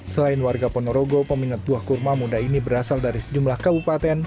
selain warga ponorogo peminat buah kurma muda ini berasal dari sejumlah kabupaten